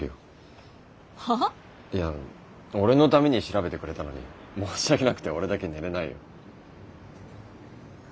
いや俺のために調べてくれたのに申し訳なくて俺だけ寝れないよ。